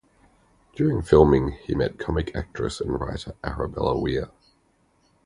During filming, he met comic actress and writer Arabella Weir.